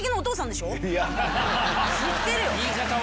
知ってる！